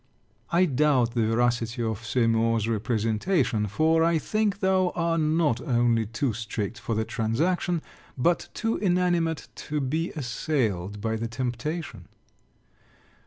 I doubt the veracity of Seymour's representation; for, I think thou are not only too strict for the transaction, but too inanimate to be assailed by the temptation.